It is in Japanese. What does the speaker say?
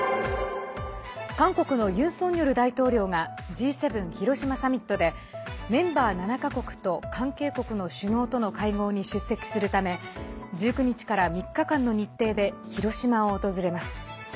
韓国のユン・ソンニョル大統領がＧ７広島サミットでメンバー７か国と関係国の首脳との会合に出席するため１９日から３日間の日程で広島を訪れます。